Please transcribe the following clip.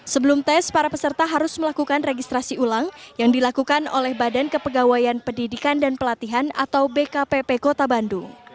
sebelum tes para peserta harus melakukan registrasi ulang yang dilakukan oleh badan kepegawaian pendidikan dan pelatihan atau bkpp kota bandung